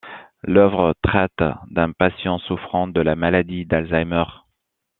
L'œuvre traite d'un patient souffrant de la maladie d'Alzheimer.